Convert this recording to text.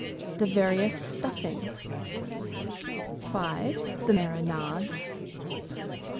The various stuffings. 5. The marinades. 6.